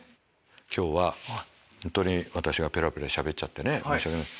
今日は本当に私がペラペラしゃべっちゃってね申し訳ない。